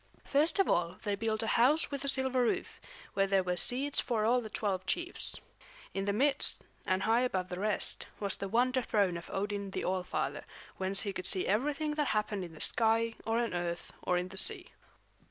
First of all they built a house with a silver roof, where there were seats for all the twelve chiefs. In the midst, and high above the rest, was the wonder throne of Odin the All Father, whence he could see everything that happened in the sky or on the earth or in the sea.